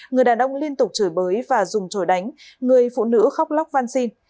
người đàn ông liên tục chửi bới và dùng trồi đánh người phụ nữ khóc lóc văn xin